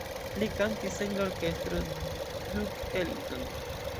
Li kantis en la Orkestro Duke Ellington.